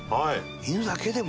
犬だけでも！？